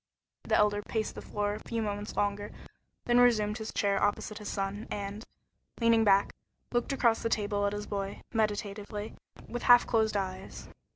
The Elder paced the floor a few moments longer, then resumed his chair opposite his son, and, leaning back, looked across the table at his boy, meditatively, with half closed eyes.